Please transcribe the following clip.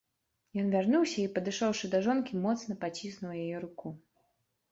Ён вярнуўся і, падышоўшы да жонкі, моцна паціснуў яе руку.